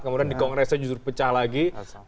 kemudian di kongresnya justru pecah lagi